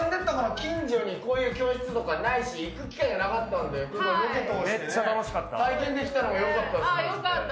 近所にこういう教室とかないし行く機会がなかったのでロケを通して体験できたのが良かったです。